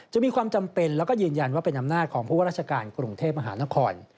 มีความจำเป็นแล้วก็ยืนยันว่าเป็นอำนาจของผู้ว่าราชการกรุงเทพมหานคร